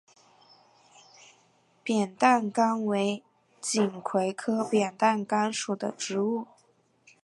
扁担杆为锦葵科扁担杆属的植物。